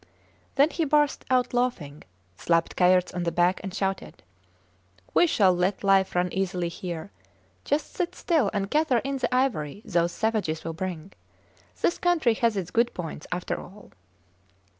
Then he burst out laughing, slapped Kayerts on the back and shouted, We shall let life run easily here! Just sit still and gather in the ivory those savages will bring. This country has its good points, after all!